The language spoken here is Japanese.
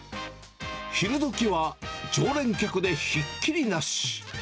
昼どきは、常連客でひっきり